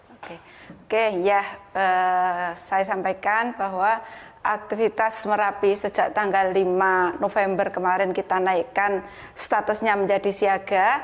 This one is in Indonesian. oke oke ya saya sampaikan bahwa aktivitas merapi sejak tanggal lima november kemarin kita naikkan statusnya menjadi siaga